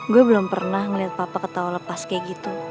gua belum pernah ngeliat papa ketawa lepas kayak gitu